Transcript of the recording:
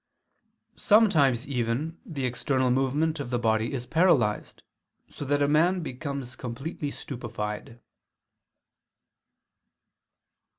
Sometimes even the external movement of the body is paralyzed, so that a man becomes completely stupefied.